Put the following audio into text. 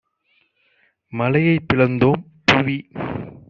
மலையைப் பிளந்தோம் - புவி